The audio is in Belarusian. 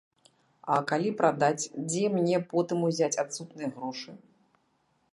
А калі прадаць, дзе мне потым узяць адсутныя грошы?